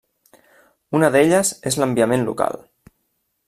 Una d'elles és l'enviament local.